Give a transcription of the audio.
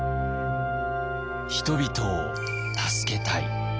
人々を助けたい。